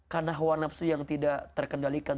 karena huwa nafsu yang tidak terkendalikan